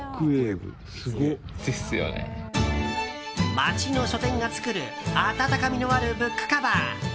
街の書店が作る温かみのあるブックカバー。